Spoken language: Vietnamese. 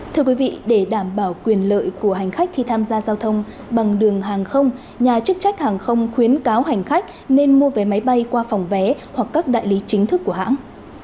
thưa quý vị để đảm bảo quyền lợi của hành khách khi tham gia giao thông bằng đường hàng không nhà chức trách hàng không khuyến cáo hành khách nên mua vé máy bay qua phòng vé hoặc các đại lý chính thức của hãng